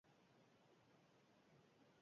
Frankismo garaian galdu egin ziren ohitura horiek.